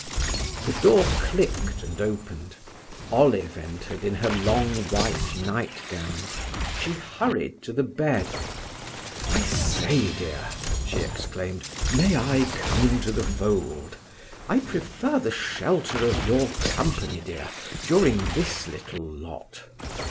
The door clicked and opened: Olive entered in her long white nightgown. She hurried to the bed. "I say, dear!" she exclaimed, "may I come into the fold? I prefer the shelter of your company, dear, during this little lot."